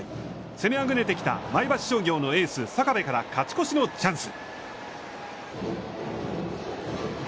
攻めあぐねてきた前橋商業のエース坂部から勝ち越しのチャンス。